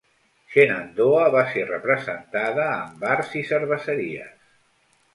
Shenandoah va ser representada amb bars i cerveseries.